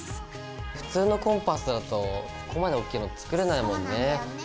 普通のコンパスだとここまで大きいの作れないもんね。